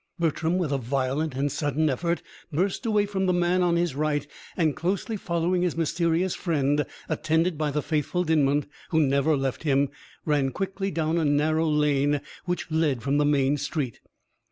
Bertram, with a violent and sudden effort, burst away from the man on his right, and closely following his mysterious friend, attended by the faithful Dinmont, who never left him, ran quickly down a narrow lane which led from the main street.